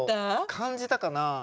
感じたかな？